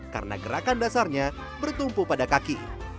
karena gerakan dasarnya bertumpu pada kaki